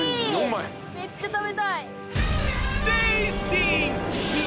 めっちゃ食べたい。